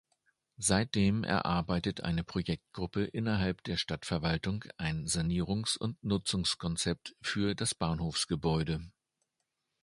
Seitdem erarbeitet eine Projektgruppe innerhalb der Stadtverwaltung ein Sanierungs- und Nutzungskonzept für das Bahnhofsgebäude.